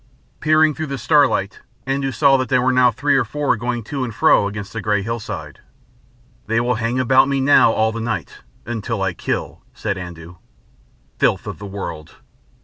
Peering through the starlight, Andoo saw there were now three or four going to and fro against the grey hillside. "They will hang about me now all the night ... until I kill," said Andoo. "Filth of the world!"